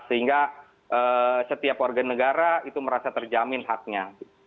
sehingga setiap warga negara itu merasa terjamin haknya